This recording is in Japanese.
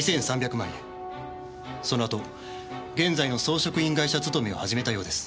そのあと現在の装飾品会社勤めを始めたようです。